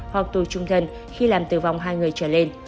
hoặc tù trung thân khi làm tử vong hai người trở lên